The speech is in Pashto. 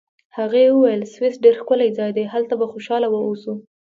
هغې وویل: سویس ډېر ښکلی ځای دی، هلته به خوشحاله واوسو.